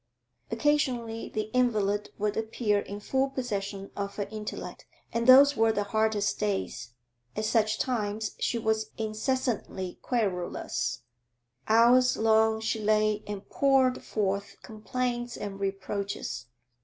Occasionally the invalid would appear in full possession of her intellect, and those were the hardest days; at such times she was incessantly querulous; hours long she lay and poured forth complaints and reproaches.